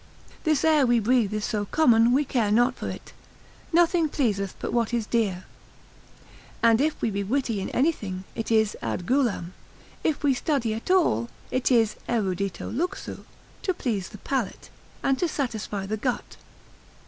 This air we breathe is so common, we care not for it; nothing pleaseth but what is dear. And if we be witty in anything, it is ad gulam: If we study at all, it is erudito luxu, to please the palate, and to satisfy the gut.